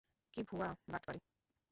কী ভুয়া ব্যাটাগিরি!